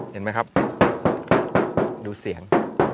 เห็นไหมครับดูเสียง